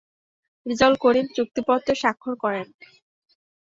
রেজাউল করিম চুক্তিপত্রে স্বাক্ষর করেন।